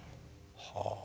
はあ。